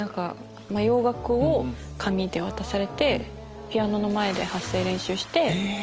洋楽を紙で渡されてピアノの前で発声練習して。